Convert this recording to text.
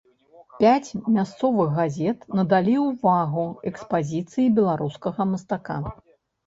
Пяць мясцовых газет надалі ўвагу экспазіцыі беларускага мастака.